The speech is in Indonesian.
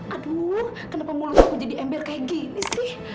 aduh kenapa mulut aku jadi ember kayak gini sih